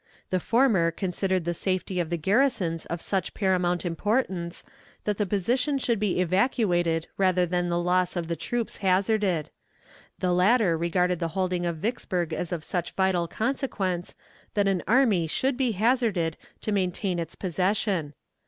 The former considered the safety of the garrisons of such paramount importance, that the position should be evacuated rather than the loss of the troops hazarded; the latter regarded the holding of Vicksburg as of such vital consequence that an army should be hazarded to maintain its possession.